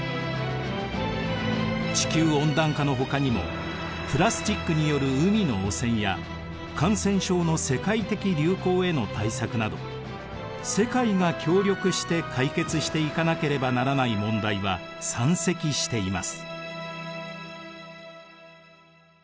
地球温暖化のほかにもプラスチックによる海の汚染や感染症の世界的流行への対策など世界が協力して解決していかなければならない問題は山積しています。